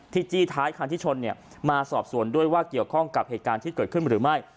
จี้ท้ายคันที่ชนเนี่ยมาสอบสวนด้วยว่าเกี่ยวข้องกับเหตุการณ์ที่เกิดขึ้นหรือไม่